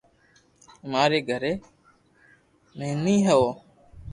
امري گھري تيوي ھو